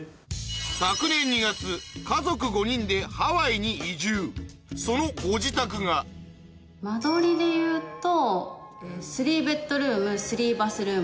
昨年２月家族５人でハワイに移住そのご自宅が間取りでいうと。